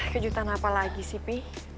kejutan apa lagi sih pi